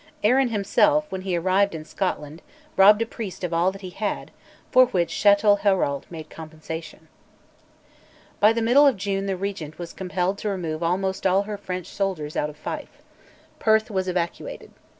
Arran himself, when he arrived in Scotland, robbed a priest of all that he had, for which Chatelherault made compensation. By the middle of June the Regent was compelled to remove almost all her French soldiers out of Fife. Perth was evacuated.